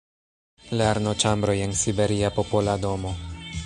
“Lernoĉambro en siberia Popola Domo.